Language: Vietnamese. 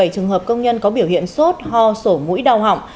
một trăm một mươi bảy trường hợp công nhân có biểu hiện sốt ho sổ mũi đau họng